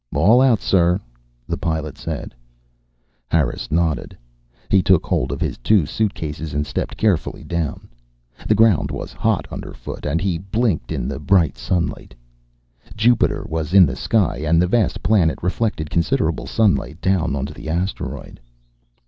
"All out, sir," the pilot said. Harris nodded. He took hold of his two suitcases and stepped carefully down. The ground was hot underfoot, and he blinked in the bright sunlight. Jupiter was in the sky, and the vast planet reflected considerable sunlight down onto the asteroid.